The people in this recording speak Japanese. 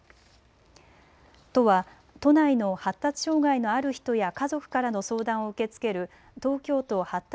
都は都内の発達障害のある人や家族からの相談を受け付ける東京都発達